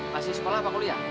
masih sekolah apa kuliah